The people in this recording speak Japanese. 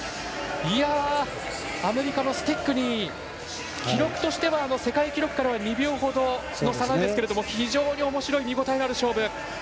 アメリカのスティックニー記録としては世界記録からは２秒ほどの差なんですが非常におもしろい見応えのある勝負。